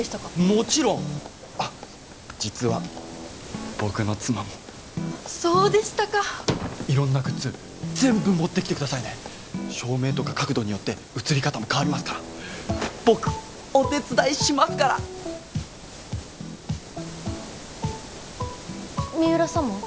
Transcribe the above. もちろんあっ実は僕の妻もそうでしたか色んなグッズ全部持ってきてくださいね照明とか角度によって写り方も変わりますから僕お手伝いしますから三浦様？